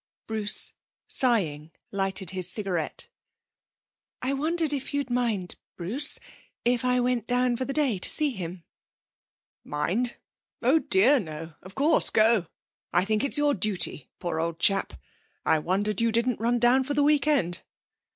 Bruce, sighing, lighted his cigarette. 'I wondered if you'd mind, Bruce, if I went down for the day to see him?' 'Mind! Oh dear, no! Of course, go. I think it's your duty, poor old chap. I wondered you didn't run down for the weekend.'